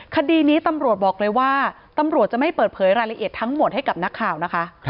คดีนี้ตำรวจบอกเลยว่าตำรวจจะไม่เปิดเผยรายละเอียดทั้งหมดให้กับนักข่าวนะคะ